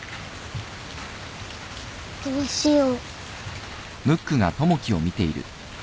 どうしよう。